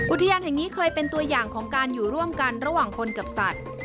อุทยานแห่งนี้เคยเป็นตัวอย่างของการอยู่ร่วมกันระหว่างคนกับสัตว์